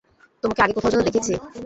তোমাকে আগে কোথায় যেন দেখেছি?